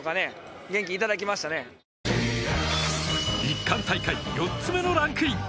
日韓大会４つ目のランクイン！